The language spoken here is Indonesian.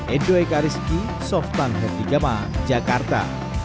edo eka rizky softank hertigama jakarta